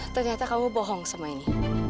ternyata kamu bohong sama ini